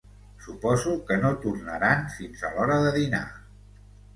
Suposo que no tornaran fins a l'hora de dinar.